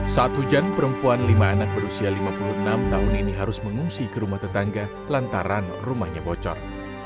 saat hujan perempuan lima anak berusia lima puluh enam tahun ini harus mengungsi ke rumah tetangga lantaran rumahnya bocor